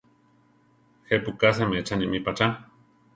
¿Je pu ka seméchane mí pa chá?